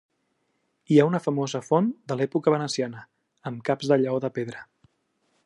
Hi ha una famosa font de l'època veneciana, amb caps de lleó de pedra.